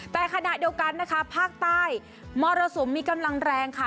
แต่ขณะเดียวกันนะคะภาคใต้มรสุมมีกำลังแรงค่ะ